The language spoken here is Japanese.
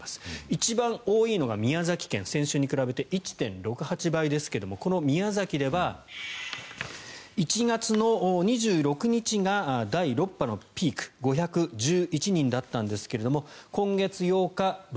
一番多いのが宮崎県先週に比べて１．６８倍ですがこの宮崎では１月２６日が第６波のピーク５１１人だったんですが今月８日、６１０人。